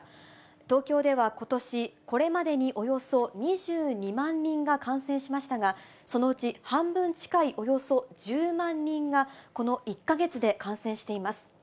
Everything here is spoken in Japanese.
東京ではことし、これまでにおよそ２２万人が感染しましたが、そのうち半分近いおよそ１０万人がこの１か月で感染しています。